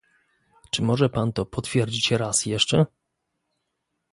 Czy może to pan potwierdzić raz jeszcze?